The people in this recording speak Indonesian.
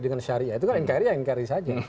dengan syariah itu kan nkri ya nkri saja